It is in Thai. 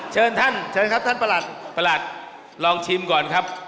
เชิญท่านชิมก่อนครับ